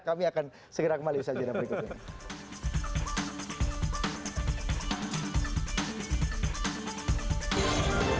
kami akan segera kembali bersajaran berikutnya